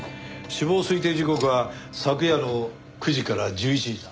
死亡推定時刻は昨夜の９時から１１時だ。